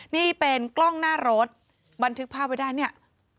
นี่เป็นกล้องหน้ารถบันทึกภาพไว้ได้เนี่ย